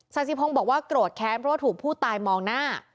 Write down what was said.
สาธิพงศ์บอกว่าโกรธแค้นเพราะว่าถูกผู้ตายมองหน้า